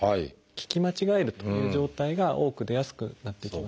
聞き間違えるという状態が多く出やすくなっていきますね。